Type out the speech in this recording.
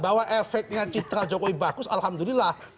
bahwa efeknya citra jokowi bagus alhamdulillah